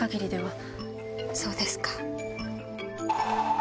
そうですか。